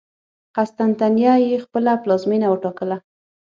قسطنطنیه یې خپله پلازمېنه وټاکله.